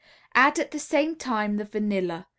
Add at the same time the vanilla.